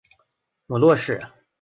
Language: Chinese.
母骆氏。